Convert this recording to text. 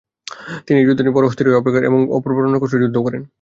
তিনি এ যুদ্ধের জন্য বড় অস্থির হয়ে অপেক্ষা করছিলেন এবং অপূর্ব রণকৌশলে যুদ্ধও করেন।